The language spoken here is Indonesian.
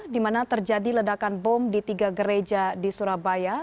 di mana terjadi ledakan bom di tiga gereja di surabaya